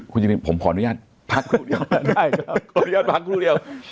คุณจุฬินผมขออนุญาตพักครู่เดียว